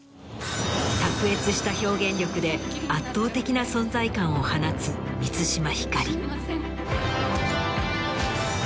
卓越した表現力で圧倒的な存在感を放つ満島ひかり。